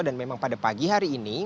dan memang pada pagi hari ini